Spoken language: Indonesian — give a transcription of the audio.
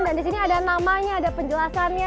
dan di sini ada namanya ada penjelasannya